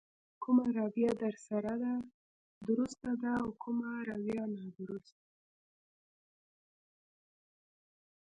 کومه رويه درسته ده او کومه رويه نادرسته.